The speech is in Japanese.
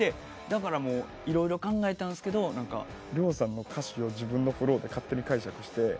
だから色々考えたんすけど亮さんの歌詞を自分のフロウで勝手に解釈して遊べる。